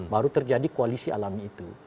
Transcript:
baru terjadi koalisi alami itu